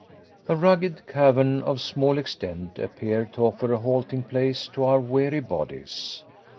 A rugged cavern of small extent appeared to offer a halting place to our weary bodies.